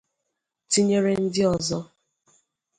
tinyere ndi ọzọ